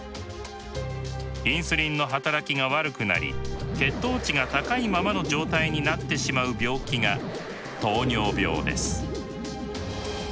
インスリンの働きが悪くなり血糖値が高いままの状態になってしまう病気が糖尿病です。